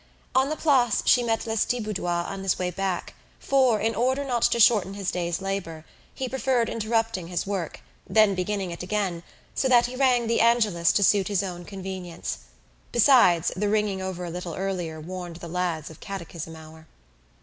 On the Place she met Lestivoudois on his way back, for, in order not to shorten his day's labour, he preferred interrupting his work, then beginning it again, so that he rang the Angelus to suit his own convenience. Besides, the ringing over a little earlier warned the lads of catechism hour.